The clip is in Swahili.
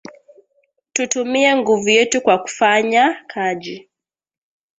Tutumie nguvu yetu kwa kufanya kaji